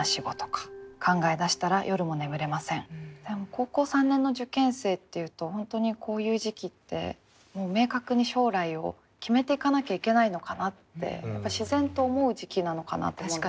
高校３年の受験生っていうと本当にこういう時期って明確に将来を決めていかなきゃいけないのかなってやっぱり自然と思う時期なのかなと思うんですけど。